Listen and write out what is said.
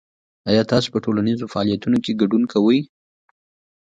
آیا تاسو په ټولنیزو فعالیتونو کې ګډون کوئ؟